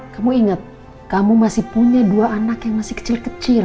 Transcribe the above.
kamu ingat kamu masih punya dua anak yang masih kecil kecil